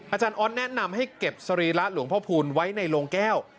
อาจารย์ออสแนะนำให้เก็บสรีระหลวงพ่อพูนไว้ในโรงแก้ว